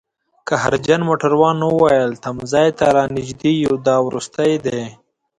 قهرجن موټروان وویل: تمځي ته رانژدي یوو، دا وروستی دی